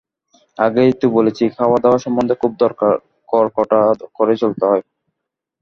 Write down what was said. আগেই তো বলেছি, খাওয়াদাওয়া সম্বন্ধে খুব ধরকাট করেই চলতে হয়।